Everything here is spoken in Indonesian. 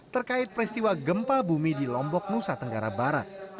terkait peristiwa gempa bumi di lombok nusa tenggara barat